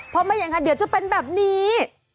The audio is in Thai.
เพราะไม่อย่างนั้นเดี๋ยวจะเป็นแบบนี้